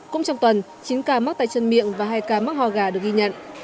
cũng trong tuần chín ca mắc tay chân miệng và hai ca mắc ho gà được ghi nhận